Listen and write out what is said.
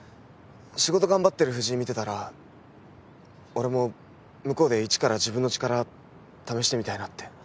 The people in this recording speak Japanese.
仕事頑張ってる藤井見てたら俺も向こうで一から自分の力試してみたいなって。